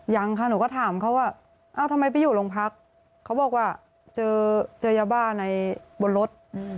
ยังค่ะหนูก็ถามเขาว่าเอ้าทำไมไปอยู่โรงพักเขาบอกว่าเจอยาบ้าในบนรถ